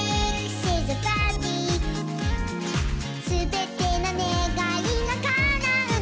「すべてのねがいがかなうなら」